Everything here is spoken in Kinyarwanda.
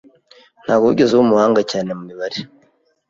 Ntabwo wigeze uba umuhanga cyane mu mibare.